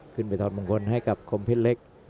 ไปถอดมงคลให้กับคมเพชรเล็ก